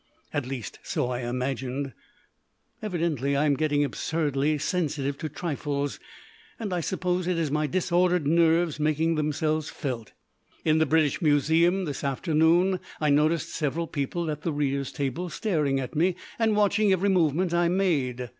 At least, so I imagined. Evidently I am getting absurdly sensitive to trifles, and I suppose it is my disordered nerves making themselves felt. In the British Museum this afternoon I noticed several people at the readers' table staring at me and watching every movement I made.